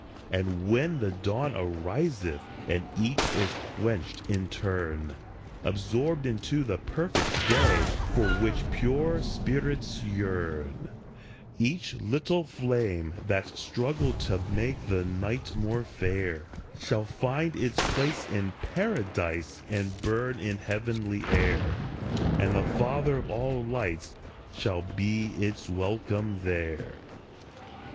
And when the dawn ariseth, and each is quenched in turn, Absorbed into the perfect day for which pure spirits yearn ; Each little flame that struggled to make the night more fair Shall find its place in Paradise and burn in heavenly air, And the Father of all Lights shall be its welcome there.